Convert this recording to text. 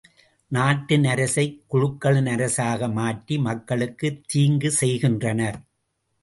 நாட்டின் அரசைக் குழுக்களின் அரசாக மாற்றி மக்களுக்குத் தீங்கு செய்கின்றனர்.